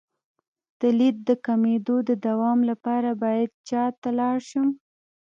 د لید د کمیدو د دوام لپاره باید چا ته لاړ شم؟